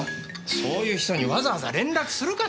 そういう人にわざわざ連絡するかね。